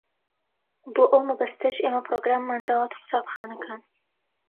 بۆ ئەو مەبەستەش ئێمە پرۆگراممان داوەتە قوتابخانەکان.